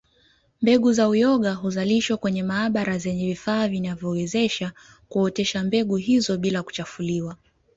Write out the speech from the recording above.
Mbegu za uyoga huzalishwa kwenye maabara zenye vifaa vinavyowezesha kuotesha mbegu hizo bila kuchafuliwa